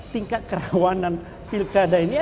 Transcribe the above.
tingkat kerawanan pilkada ini